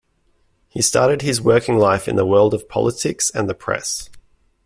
He started his working life in the world of politics and the press.